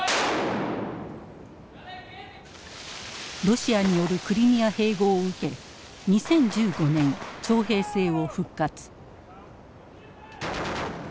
ロシアによるクリミア併合を受け２０１５年徴兵制を復活。